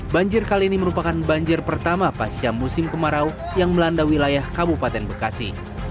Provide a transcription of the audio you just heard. banjir kali ini merupakan banjir pertama pasca musim kemarau yang melanda wilayah kabupaten bekasi